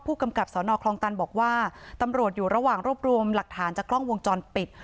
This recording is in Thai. กำกับสนคลองตันบอกว่าตำรวจอยู่ระหว่างรวบรวมหลักฐานจากกล้องวงจรปิด